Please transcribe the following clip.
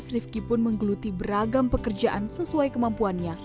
rifki pun menggeluti beragam pekerjaan sesuai kemampuannya